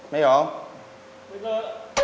tao không cần biết